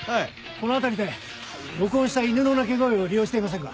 この辺りで録音した犬の鳴き声を利用していませんか？